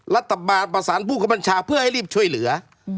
รัฐบาลประสานผู้กับบัญชาเพื่อให้รีบช่วยเหลือ